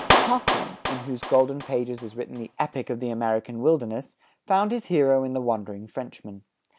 Parkman, in whose golden pages is written the epic of the American wilderness, found his hero in the wandering Frenchman.